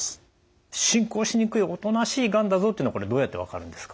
進行しにくいおとなしいがんだぞっていうのはどうやって分かるんですか？